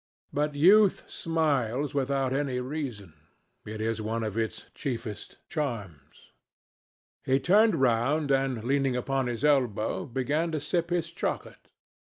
But youth smiles without any reason. It is one of its chiefest charms. He turned round, and leaning upon his elbow, began to sip his chocolate.